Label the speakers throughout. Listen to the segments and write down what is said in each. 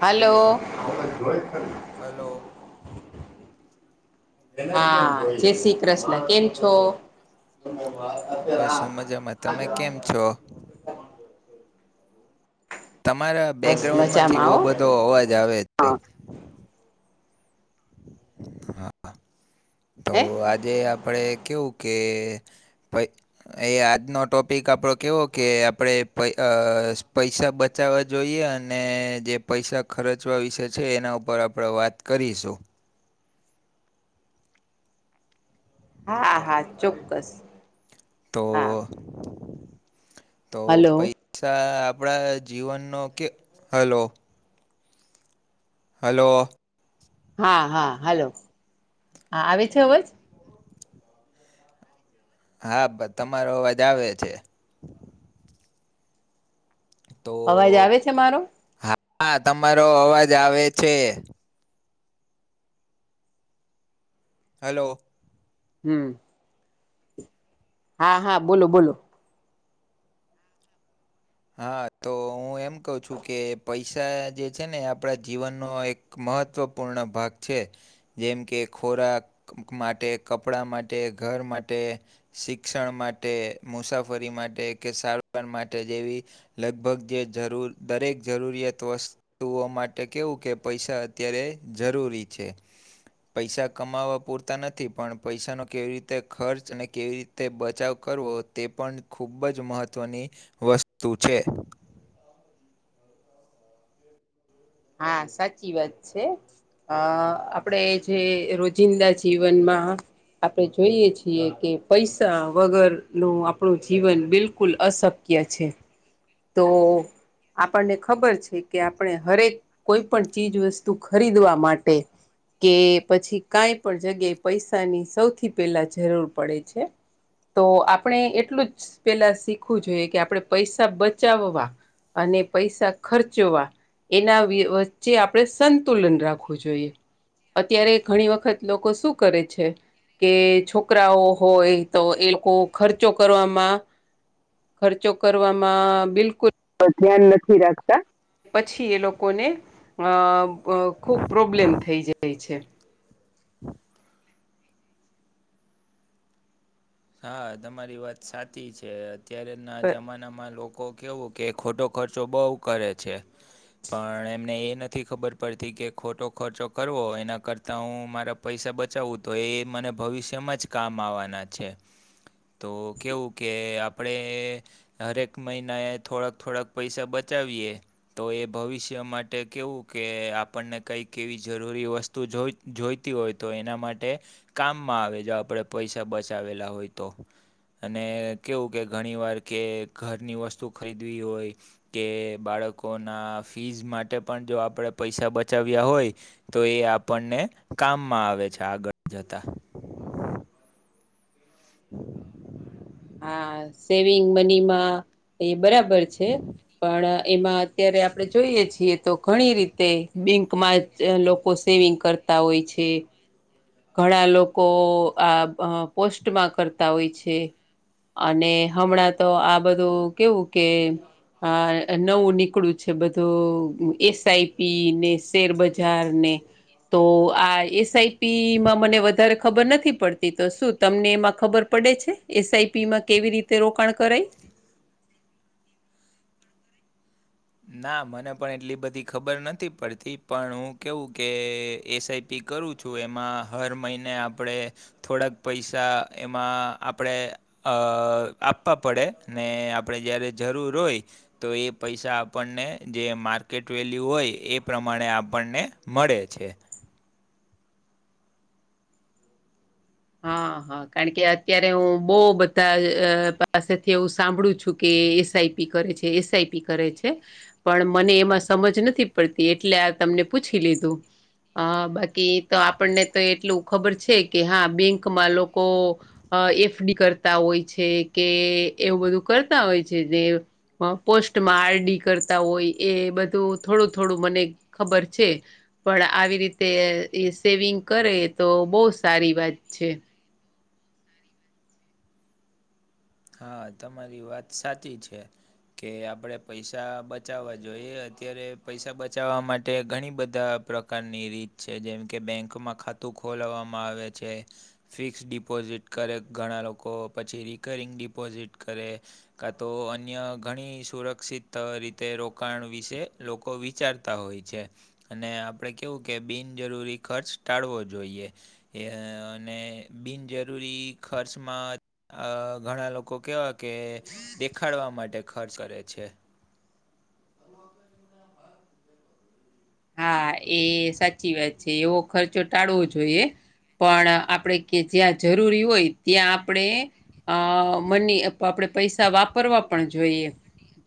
Speaker 1: Hello.
Speaker 2: Hello
Speaker 1: હા જય શ્રી કૃષ્ણ કેમ છો?
Speaker 2: બસ હું મજામાં. તમે કેમ છો? તમારા
Speaker 1: બસ
Speaker 2: બેકગ્રાઉન્ડ માંથી
Speaker 1: મજામાં
Speaker 2: બહુ
Speaker 1: હો
Speaker 2: બધો અવાજ આવે છે. હા તો
Speaker 1: હે
Speaker 2: આજે આપડે કેવું કે [inaudible] એ આજનો ટોપિક આપડો કેવો કે આપડે પ પૈસા બ ચાવા જોઈએ અને જે પૈસા ખર્ચવા વિશે છે એના ઉપર આપણે વાત કરીશું.
Speaker 1: હા હા ચોક્કસ
Speaker 2: તો
Speaker 1: હા
Speaker 2: તો
Speaker 1: હલો
Speaker 2: પૈસા આપણા જીવનનો કે હલો હલો
Speaker 1: હા હા હલો હા આવે છે અવજ
Speaker 2: હા તમારો અવાજ આવે છે. તો
Speaker 1: અવાજ આવે છે મારો
Speaker 2: હા તમારો અવાજ આવે છે. હલો
Speaker 1: હમ્મ. હા હા બોલો બોલો
Speaker 2: હા તો હું એમ કહું છું કે પૈસા જે છે ને આપણા જીવનનો એક મહત્વપૂર્ણ ભાગ છે. જેમ કે ખોરાક માટે કપડાં માટે ઘર માટે શિક્ષણ માટે મુસાફરી માટે કે સારવાર માટે જેવી લગભગ જે જરૂર દરેક જરૂરિયાત વસ્તુ ઓ માટે કેવું કે પૈસા અત્યારે જરૂરી છે. પૈસા કમાવવા પૂરતા નથી પણ પૈસાનો કેવી રીતે ખર્ચ અને કેવી રીતે બચાવ કરવો તે પણ ખૂબ જ મહત્વની વસ્તુ છે.
Speaker 1: હા સાચી વાત છે. અ આપડે જે રોજિંદા જીવનમાં આપણે જોઈએ છીએ કે પૈસા વગર નું આપણું જીવન બિલકુલ અશક્ત કે છે. તો આપણને ખબર છે કે આપણે ધરે. કોઈ પણ ચીજ વસ્તુ ખરીદવા માટે. કે પછી કઈ પણ જગ્યાએ પૈસાની સૌથી પેલા જરૂર પડે છે. તો આપણે એટલું જ પેલા શીખવું જોઈએ કે આપણે પૈસા બચાવવા અને પૈસા ખર્ચવા એના વચ્ચે આપણે સંતુલન રાખવું જોઈએ. અત્યારે ઘણી વખત લોકો શું કરે છે કે છોકરાઓ હોય તો એ લોકો ખર્ચો કરવામાં ખર્ચો કરવામાં બિલકુલ ધ્યાન નથી રાખતા. પછી એ લોકોને અ ખૂબ પ્રોબ્લેમ થઈ જાય છે.
Speaker 2: [inaudible] હા તમારી વાત સાચી છે અત્યારેના જમાનામાં લોકો. કેવું કે ખોટો ખર્ચો બઉ કરે છે. પણ એમને એ નથી ખબર પડતી કે ખોટો ખર્ચો કરવો એના કરતાં હું મારા પૈસા બચાવવું તો એ મને ભવિષ્યમાં જ કામ આવવાના છે. તો કેવું કે આપણે. હરેક મહિના એ થોડાક થોડાક પૈસા બચાવીએ. તો એ ભવિષ્ય માટે કેવું કે આપણને કઈક એવી જરૂરી વસ્તુ જોઈતી હોય તો એના માટે કામમાં આવે જો આપણેે પૈસા બચાવેલા. ના હોય તો. અને કેવું કે ઘણી વાર કે ઘરની વસ્તુ ખરીદવી હોય. કે બાળકોના ફીઝ માટે પણ જો આપળે પૈસા બચાવ્યા હોય. તો એ આપણને કામમાં આવે છે આગળ જતા [inaudible]
Speaker 1: હા સેવિંગ મનીમાં એ બરાબર છે પણ એમાં. અત્યારે આપણે જોઈએ છીએ તો ઘણી રીતે બેંકમાં. લોકો સેવિંગ કરતા હોય છે. ઘણા લોકો આ પોસ્ટમાં કરતા હોય છે. અને હમણાં તો આ બધું કેવું કે. આ નવું નીકળ્યું છે બધું એસઆઈપી ને શેરબજાર ને. તો આ એસઆઈપી. માં મને વધારે ખબર નથી પડતી તો શું તમને એમાં ખબર પડે છે એસઆઈપીમાં કેવી રીતે. તે રોકાણ કરે.
Speaker 2: ના મને પણ એટલી બધી ખબર નથી પડતી પણ હું કેવું કે એસઆઈ. પી કરું છું એમાં હર મહિને આપણે. થોડાક પૈસા એમાં આપણે. અ આપા પડે ને આપળે જ્યારે જરૂર હોય તો એ પૈસા. આપણને જે માર્કેટ વેલ્યુ હોય એ પ્રમાણે આપણને મળે છે.
Speaker 1: હ હ કાન કે અત્યારે હું બો બધા અ પાસેથી એવું સાંભળું. ચુ કે એસ આઈ પી કરે છે એસ આઈ પી કરે છે પણ મને એમાં સમજ નથી. પળતી એટલે આ તમને પૂછી લીધું. અ બાકી તો આપણને તો એટલું ખબર છે કે હા બેંકમાં લોકો. અ એફ ડી કરતા હોય છે કે એવું બધું કરતા હોય છે દેવ. હ પોસ્ટમાં આર ડી કરતા હોય એ બધું થોડું થોડું મને ખબર છે. પણ આવી રીતે એ સેવિંગ કરે તો બો સારી વાત છે.
Speaker 2: હા તમારી વાત સાચી છે. કે આપળે પૈસા બચાવા જોઈએ અત્યારે પૈસા બચાવા માટે ઘણી બધા. પ્રકારની રીત છે જેમ કે બેંકમાં ખાતું ખોલવામાં આવે છે. ફિક્સ ડિપોઝિટ કરે ઘણા લોકો, પછી રિકરિંગ ડિપોઝિટ કરે. કા તો અન્ય ઘણી સુરક્ષિત અ રીતે રોકાણ વિશે લોકો વિચાર કરતા હોય છે અને આપળે કેવું કે બિનજરૂરી ખર્ચ ટાળવો જોઈએ એ અને બિનજરૂરી ખર્ચમાં અ ઘણા લો કો કેવા કે દેખાડવા માટે ખર્ચ કરે છે. [inaudible]
Speaker 1: હા એ સાચી વાત છે એવો ખર્ચો ટાળવો જોઈએ. પણ આપળે કે જ્યાં જરૂરી હોય ત્યાં આપળે અ મની અથવા પૈસા વાપરવા પણ જોઈએ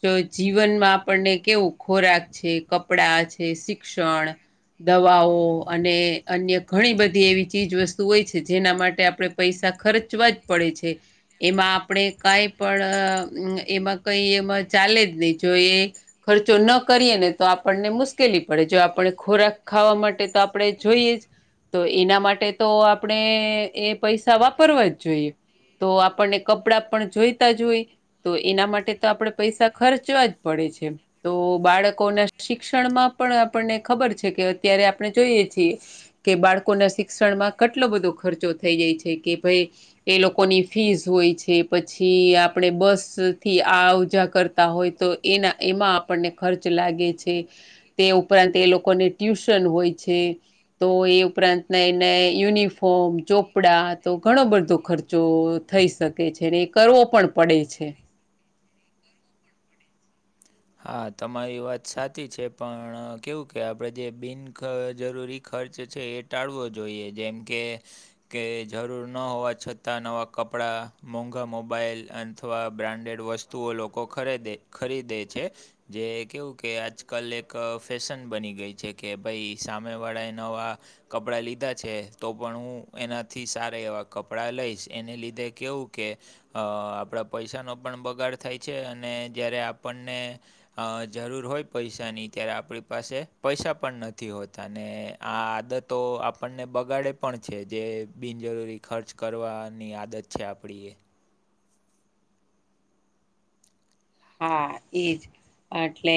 Speaker 1: જો જીવનમાં આપણને કેવું ખોરાક છે, કપડા છે, શિક્ષણ, દવાઓ અને અન્ય ઘણી બધી એવી ચીજવસ્તુ હોય છે જેના માટે આપળે પૈસા ખર્ચવા જ પડે છે એમાં આપળે કાઈ પણ અ એમાં કઈ એમાં ચાલે જ નય જો એ ખર્ચો ન કરીએ ને તો આપણને મુશ્કિલી આપળે જો આપળે ખોરાક ખાવા માટે તો આપળે જોઈએ જ તો એના માટે તો આપળે એ પૈસા વાપરવા જ જોઈએ તો આપણને કપડાં પણ જોઈતા જ હોય તો એના માટે તો આપળે પૈસા ખર્ચવા જ પડે છે તો બાળકોને શિક્ષણમાં પણ આપણને ખબર છે કે અત્યારે આપળે જોઈએ છીએ કે બાળકોના શિક્ષણમાં કેટલો બધો ખર્ચો થઈ જાય છે કે ભઈ એ લોકોની ફીઝ હોય છે, પછી આપળે બસથી આવ જા કરતા હોય તો એના એમાં આપણને ખર્ચ લાગે છે તે ઉપરાંત એ લોકોને ટ્યુશન હોય છે તો એ ઉપરાંત ના યુનિફોર્મ ચોપડા તો ઘણો બધો ખર્ચ જો થઈ શકે છે ને એ કરવો પણ પડે છે
Speaker 2: હા તમારી વાત સાચી છે પણ કેવું કે આપળે જે બિન જરૂરી ખર્ચ છે એ ટાળવો જોઈએ જેમ કે કે જરૂર ન હોવા છતાં નવાં કપડાં મોંઘા મોબાઈલ અથવા બ્રાન્ડેડ વસ્તુ વસ્તુઓ લોકો ખરેદે ખરીદે છે. જે કેવું કે આજકાલ એક ફેશન બની ગઈ છે કે ભઈ સામે વાળા એ નવા કપડાં લીધા છે તો પણ હું એનાથી સારા એવા કપડાં લઈશ એને લીધે કેવું કે અ આપળા પૈસાનો પણ બગાડ થાય છે અને જયારે આપણને અ જરૂર હોય પૈસાની ત્યારે આપળી પાસે પૈસા પણ નથી હોતા ને આ આદતો આપણને બગાડે પણ છે જે બિનજરૂરી ખર્ચ કરવાની આદત છે આપળી એ
Speaker 1: હા ઈજ આટલે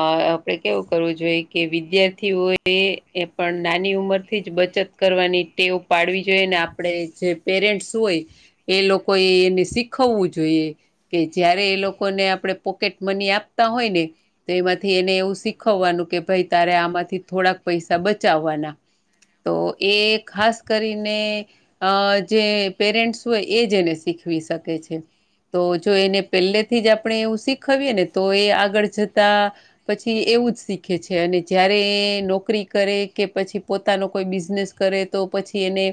Speaker 1: અ આપળે કેવું કરવું જોઈએ કે વિદ્યાર્થીઓ એ એ પણ નાની ઉંમર થી જ બચત કરવાની ટેવ પાડવી જોઈએ ને આપળે જે પેરેન્ટ્સ હોય એ લોકો એ એને શીખવવું જોઈએ કે જય્યારે એ લોકો લોકોને આપણે પોકેટ મની આપતા હોય ને તો એમાંથી એને એવું શીખવવાનું કે ભાઈ તારે આમાંથી થોડાક પૈસા બચાવવાના તો એ ખાસ કરીને અ જે પેરેન્ટ્સ હોય એજને શીખવી શકે છે તો જો એને પહેલે થી જ આપણે એવું શીખવીએ ને તો એ આગળ જતા પછી એવું જ શીખે છે અને જયારે નોકરી કરે કે પછી પોતાનો કોઈ બિઝનેસ કરે તો પછી એને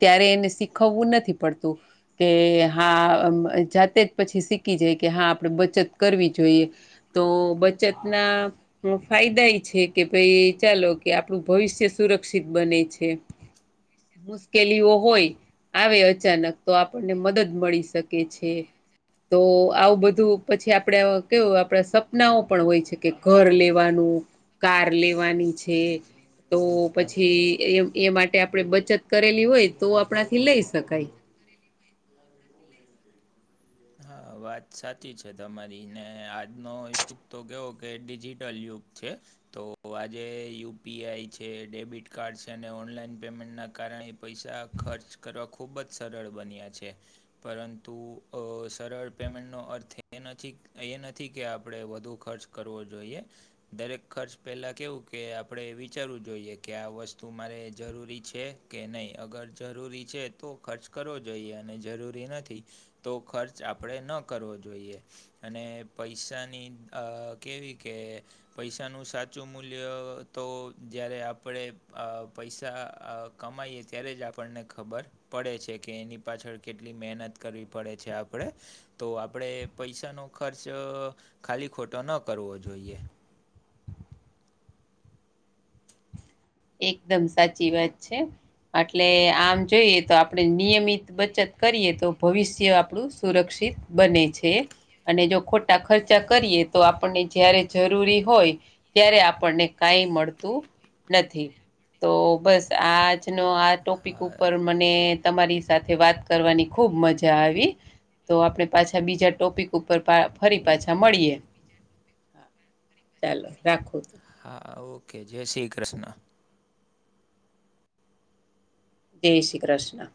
Speaker 1: ત્યારે એને શીખવવું નથી પડતું કે હા જાતે જ પછી શીખી જાય કે હા આપણે બચત કરવી જોઈએ તો બચતના ફાયદા એ છે કે ભાઈ ચાલો કે આપણું ભવિષ્ય સુરક્ષિત બને છે
Speaker 2: [unintelligible]
Speaker 1: મુશ્કેલીઓ હોય આવે અચાનક તો આપણને મદદ મળી શકે છે. તો આવું બધું પછી આપડે કેવું આપણા સપનાઓ પણ હોય છે કે ઘર લેવાનું કાર લેવાની છે. તો પછી એ એ માટે આપણેે બચત કરેલી હોય તો આપણાથી લઈ શકાય
Speaker 2: વાત સાચી છે તમારી ને આજનો તો કેવો કે ડિજિટલ યુગ છે તો આજે યુપીઆઈ છે ડેબિટ કાર્ડ છે અને ઓનલાઈન પેમેન્ટના કારણે પૈસા ખર્ચ કરવા ખૂબ જ સરળ બન્યા છે પરંતુ સરળ પેમેન્ટ નો અર્થ એ નથી એ નથી કે આપણેે વધુ ખર્ચ કરવો જોઈએ દરેક ખર્ચ પહેલાં કેવું કે આપણે વિચારવું જોઈએ કે આ વસ્તુ મારે જરૂરી છે. કે નહીં અગર જરૂરી છે તો ખર્ચ કરવો જોઈએ અને જરૂરી નથી તો ખર્ચ આપણેે ન કરવો જોઈએ અને પૈસાની આ કેવી કે પૈસાનું સાચું મૂલ્ય તો જારે આપણે અ પૈસા અ કમાઈએ ત્યારે જ આપણને ખબર પડે છે કે એની પાછળ કેટલી મહેનત કરવી પડે છે આપડે તો આપડે પૈસાનો ખર્ચ ખાલી ખોટો ન કરવો જોઈએ
Speaker 1: એકદમ સાચી વાત છે એટલે આમ જોઈએ તો આપણે નિયમિત બચત કરીએ તો ભવિષ્ય આપણું સુરક્ષિત બને છે. અને જો ખોટા ખર્ચા કરીએ તો આપણને જારે જરૂરી હોય ત્યારે આપણને કાંઈ મળતું નથી તો બસ આજનો આ ટોપિક
Speaker 2: હા
Speaker 1: ઉપર મને તમારી સાથે વાત કરવાની ખુબ મજા આવી તો આપડણે પાછા બીજા ટોપિક ઉપર પા ફરી પાછા મળીએ હા ચાલો રાખૂ
Speaker 2: હા ઓકે જય શ્રી કૃષ્ણ
Speaker 1: જય શ્રી કૃષ્ણ